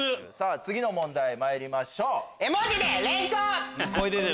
次の問題参りましょう。